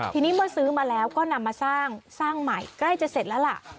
ทีนี้เมื่อซื้อมาแล้วก็นำมาสร้างสร้างใหม่ใกล้จะเสร็จแล้วล่ะ